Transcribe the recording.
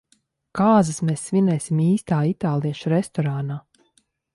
Kāzas mēs svinēsim īstā itāliešu restorānā.